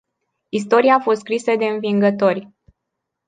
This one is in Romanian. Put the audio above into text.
Istoria a fost scrisă de învingători.